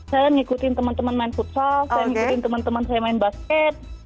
saya ngikutin teman teman main futsal saya ngikutin teman teman saya main basket